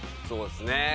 そうですね。